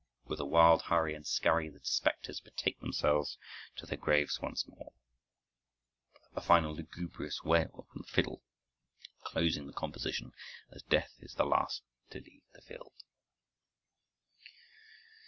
With a wild hurry and scurry the specters betake themselves to their graves once more, a final lugubrious wail from the fiddle closing the composition, as Death is the last to leave the field.